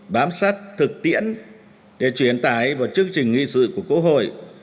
bám sát thực tiễn để chuyển tải vào chương trình nghị sự của quốc hội